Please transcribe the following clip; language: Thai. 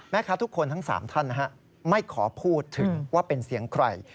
ทุกคนทั้ง๓ท่านไม่ขอพูดถึงว่าเป็นเสียงใคร